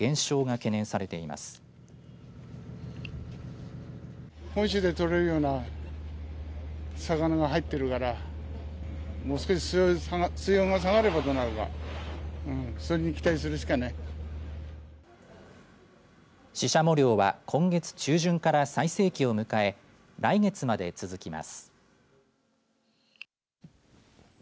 シシャモ漁は今月中旬から最盛期を迎え来月まで続きます。